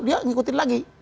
dia mengikuti lagi